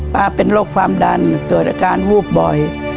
เป็นโรคความดันเกิดอาการวูบบ่อย